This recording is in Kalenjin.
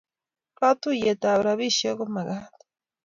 Katuiyet ab ropishek komakat